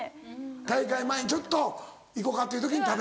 大会前にちょっといこかっていう時に食べて。